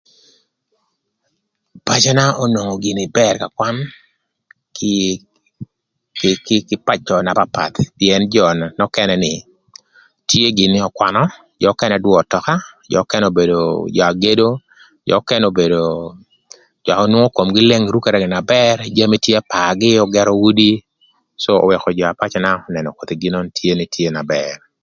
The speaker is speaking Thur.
Pacöna onwongo gïnï bër ka kwan kï pacö na papath pïën jö nökënë ni, tye gïnï ökwanö, jö ökënë düö ötöka, jö ökënë obedo jö agedo, jö ökënë obedo jö anwongo komgï leng rukere gïnï, jami tye pargï, ögërö udi, co öwëkö jö apacöna önënö koth gin nön tye nï tye na bër.